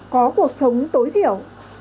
có cuộc sống tối thiểu